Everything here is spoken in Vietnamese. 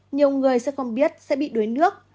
nhiều người sẽ không biết sẽ bị đuối nước